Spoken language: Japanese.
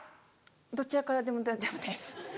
どちらからでも大丈夫です